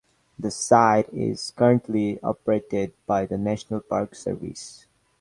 The site is currently operated by the National Park Service.